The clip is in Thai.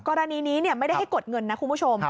กรณีนี้ไม่ได้ให้กดเงินนะคุณผู้ชม